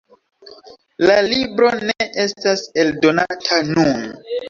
La libro ne estas eldonata nun.